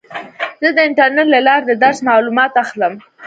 زه د انټرنیټ له لارې د درس معلومات اخلم.